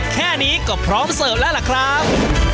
แค่นี้ก็พร้อมเสิร์ฟแล้วล่ะครับ